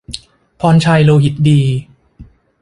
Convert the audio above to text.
พรชัย โลหิตดี